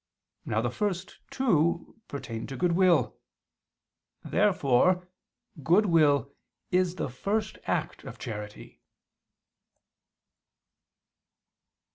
Now the first two pertain to goodwill. Therefore goodwill is the first act of charity.